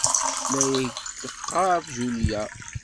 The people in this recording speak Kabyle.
La ak-d-teɣɣar Julia.